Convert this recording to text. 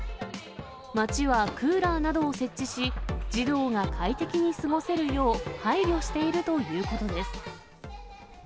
町はクーラーなどを設置し、児童が快適に過ごせるよう配慮しているということです。